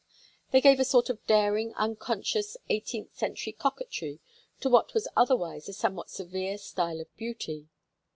They gave a sort of daring unconscious eighteenth century coquetry to what was otherwise a somewhat severe style of beauty.